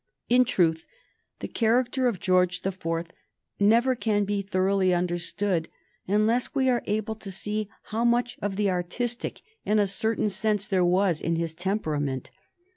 In truth, the character of George the Fourth never can be thoroughly understood unless we are able to see how much of the artistic, in a certain sense, there was in his temperament.